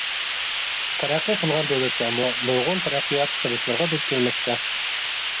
تەرەققىي قىلغان دۆلەتلەرمۇ نۇرغۇن تەرەققىيات خىرىسلىرىغا دۇچ كەلمەكتە.